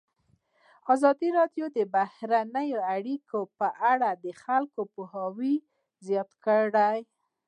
ازادي راډیو د بهرنۍ اړیکې په اړه د خلکو پوهاوی زیات کړی.